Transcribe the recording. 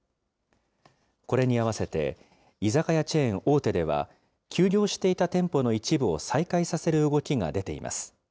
これに合わせて、居酒屋チェーン大手では、休業していた店舗の一部を再開させる動きが出ています。